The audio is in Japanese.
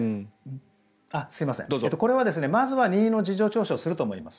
これはまずは任意の事情聴取をすると思います。